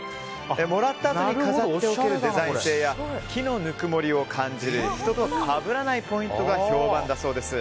もらったあとに飾っておけるデザイン性や木のぬくもりを感じる人とかぶらないポイントが評判だそうです。